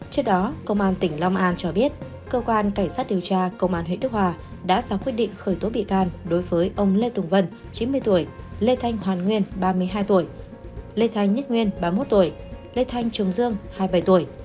trước đó công an tỉnh long an cho biết cơ quan cảnh sát điều tra công an huyện đức hòa đã sáng quyết định khởi tố bị can đối với ông lê tùng vân chín mươi tuổi lê thanh hoàn nguyên ba mươi hai tuổi lê thanh nhất nguyên ba mươi một tuổi lê thanh trung dương hai mươi bảy tuổi